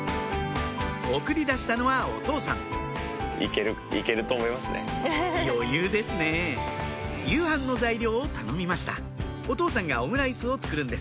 送り出したのはお父さん余裕ですね夕飯の材料を頼みましたお父さんがオムライスを作るんです